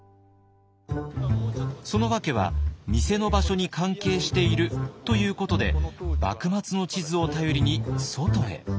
その訳は店の場所に関係しているということで幕末の地図を頼りに外へ。